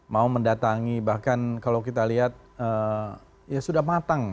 mau mendatangi bahkan kalau kita lihat ya sudah matang